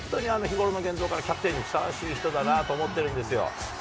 姫野選手、日頃の言動からキャプテンにふさわしい人だなと思ってるんですよ。